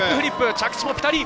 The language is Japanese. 着地もピタリ。